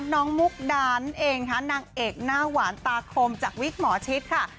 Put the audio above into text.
มุกดานั่นเองค่ะนางเอกหน้าหวานตาคมจากวิกหมอชิดค่ะ